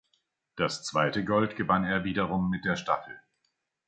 Das zweite Gold gewann er wiederum mit der Staffel.